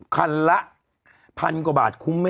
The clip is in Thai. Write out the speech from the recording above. ครั้งละ๑๐๐๐กว่าบาทคุ้มไหมนะ